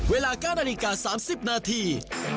เวลาก้านอนิกา๓๐นาที